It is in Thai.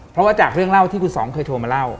เพราะว่าจากเรื่องเล่าที่คุณสองเคยโทรมาเล่า